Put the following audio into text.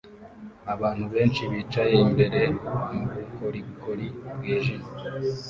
Abantu benshi bicaye imbere mubukorikori bwijimye